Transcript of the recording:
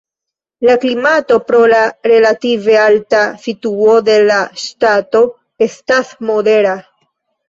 La klimato pro la relative alta situo de la ŝtato estas modera.